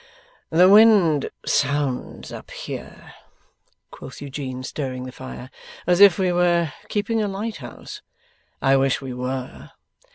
'The wind sounds up here,' quoth Eugene, stirring the fire, 'as if we were keeping a lighthouse. I wish we were.